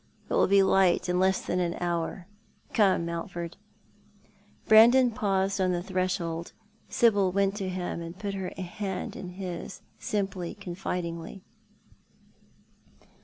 It will be light in less than an hour. Come, Mountford." Brandon paused on the threshold. Sibyl went to him and put her hand in his, simply, confidingly.